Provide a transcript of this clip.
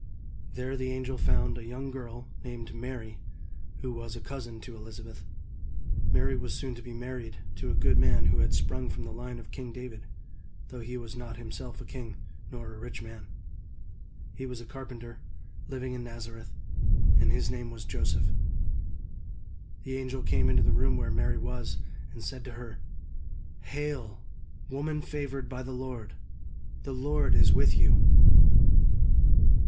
There the angel found a young girl named Mary, who was a cousin to Elizabeth. Mary was soon to be married to a good man who had sprung from the line of king David, though he was not himself a king, nor a rich man. He was a carpenter, living in Nazareth, and his name was Joseph. The angel came into the room where Mary was, and said to her: "Hail, woman favored by the Lord; the Lord is with you!"